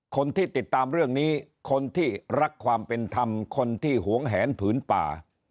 คนที่ติดตามเรื่องนี้คนที่รักความเป็นธรรมคนที่หวงแหนผืนป่า